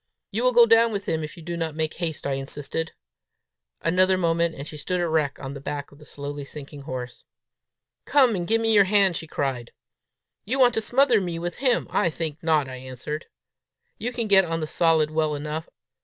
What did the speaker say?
"You will go down with him, if you do not make haste," I insisted. Another moment and she stood erect on the back of the slowly sinking horse. "Come and give me your hand," she cried. "You want to smother me with him! I think I will not," I answered. "You can get on the solid well enough.